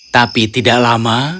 tapi tidak lama